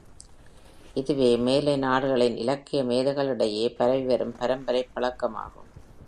இதுவே மேலை நாடுகளின் இலக்கிய மேதைகளிடையே பரவிவரும் பரம்பரைப் பழக்கமாகும்.